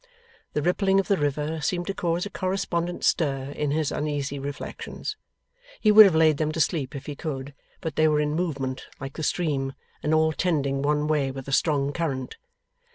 The rippling of the river seemed to cause a correspondent stir in his uneasy reflections. He would have laid them asleep if he could, but they were in movement, like the stream, and all tending one way with a strong current.